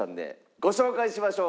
ご紹介しましょう。